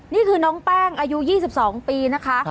นี่คือน้องแป้งอายุ๒๒ปีนะคะ